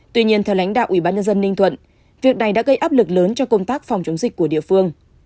tuy nhiên theo lãnh đạo ủy ban nhân dân ninh thuận việc này đã gây áp lực lớn cho công tác phòng chống dịch của địa phương